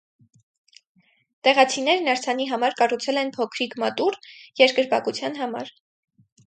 Տեղացիներն արձանի համար կառուցել են փոքրիկ մատուռ՝ երկրպագության համար։